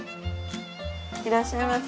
いらっしゃいませ。